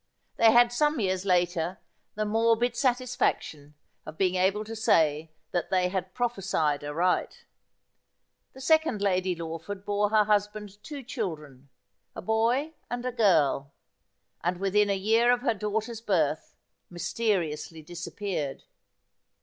They had some years later the morbid satisfaction of being able to say that they had prophesied aright. The second Lady Lawford bore her husband two children, a boy and a girl, and within a year of her daughter's birth mysteriously disappeared.